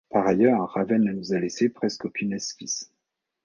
Par ailleurs, Ravel ne nous a laissé presque aucune esquisse.